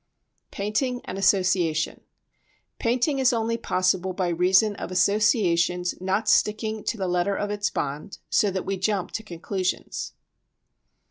Painting and Association Painting is only possible by reason of association's not sticking to the letter of its bond, so that we jump to conclusions.